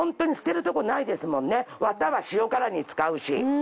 ワタは塩辛に使うし。